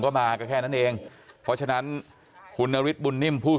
ก็มาก็แค่นั้นเองเพราะฉะนั้นคุณอริทบุลนิมผู้สื่อ